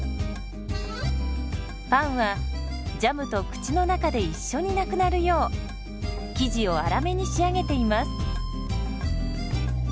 パンはジャムと口の中で一緒になくなるよう生地を粗めに仕上げています。